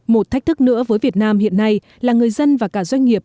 một thách thức nữa với việt nam hiện nay là người dân và cả doanh nghiệp